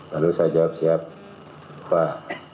lalu saya jawab siap pak